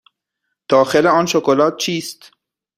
داخل آن شکلات چیست؟